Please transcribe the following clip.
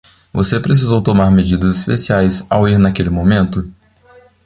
Você precisou tomar medidas especiais ao ir naquele momento?